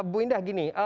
bu indah gini